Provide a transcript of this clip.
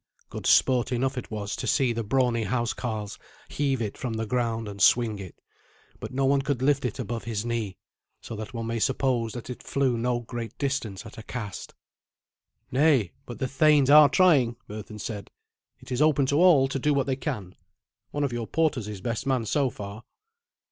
Good sport enough it was to see the brawny housecarls heave it from the ground and swing it. But no one could lift it above his knee, so that one may suppose that it flew no great distance at a cast. "Nay, but the thanes are trying," Berthun said. "It is open to all to do what they can. One of your porters is best man so far."